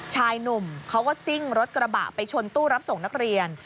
ชายหนุ่มเขาก็ซิ่งรถกระบะไปชนตู้รับส่งนักเรียน